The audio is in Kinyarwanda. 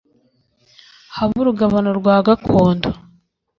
habe urugabano rwa gakondo